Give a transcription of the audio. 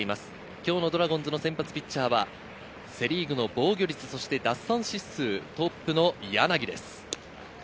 今日のドラゴンズの先発ピッチャーはセ・リーグの防御率、奪三振数トップの柳です。